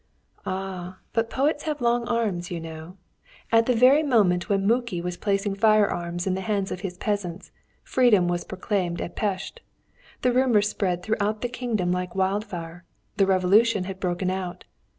"Ah! but poets have long arms, you know. At the very moment when Muki was placing firearms in the hands of his peasants, freedom was proclaimed at Pest. The rumour spread throughout the kingdom like wildfire the Revolution had broken out.